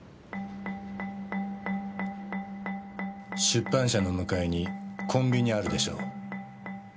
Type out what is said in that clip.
出版社の向かいにコンビニあるでしょう。